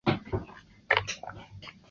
南起拉法叶。